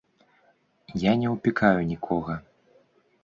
Я не ўпікаю нікога.